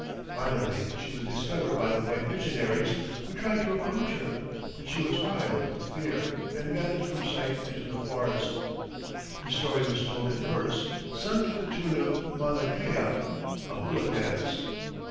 Finally she was discovered by the white missionaries, who tried to approach her, but she was wild with fear, and vanished from sight into the forest. This story was told in verse, sung to the tune of "Mauna Kea," a hula dance.